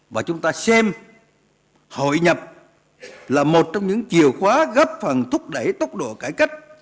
và chúng ta xem hội nhập là một trong những chìa khóa góp phần thúc đẩy tốc độ cải cách